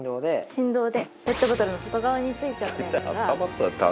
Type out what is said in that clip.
振動でペットボトルの外側に付いちゃったやつが動いて。